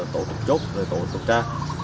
tổ trục chốt tổ trục trang